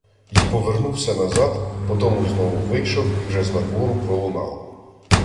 Й повернувся назад, потому знову вийшов, і вже знадвору пролунало: